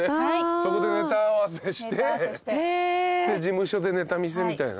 そこでネタ合わせしてで事務所でネタ見せみたいな。